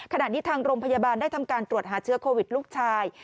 ทางโรงพยาบาลได้ทำการตรวจหาเชื้อโควิดลูกชาย